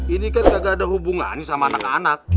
ini kan nggak ada hubungan sama anak anak